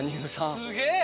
すげえ！